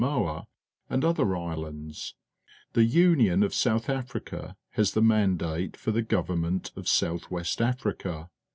aQa and other islands; the Ljiion of South Africa has the mandate for the govern ment of South west Africa.